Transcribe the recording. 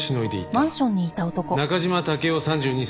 中島武郎３２歳。